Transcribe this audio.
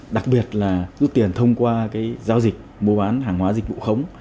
đặc biệt là rút tiền thông qua giao dịch mua bán hàng hóa dịch vụ khống